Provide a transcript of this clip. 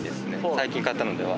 最近買ったのでは。